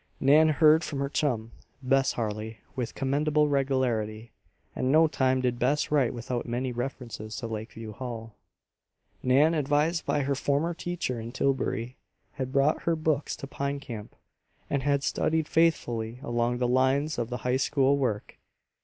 Nan heard from her chum, Bess Harley, with commendable regularity; and no time did Bess write without many references to Lakeview Hall. Nan, advised by her former teacher in Tillbury, had brought her books to Pine Camp, and had studied faithfully along the lines of the high school work.